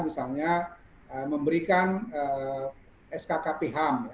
misalnya memberikan skkp ham